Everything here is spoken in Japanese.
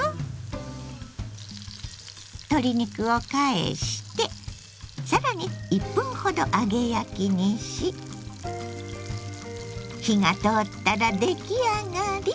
鶏肉を返して更に１分ほど揚げ焼きにし火が通ったら出来上がり！